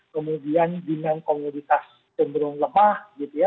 kemudian demand komoditas cenderung lemah gitu ya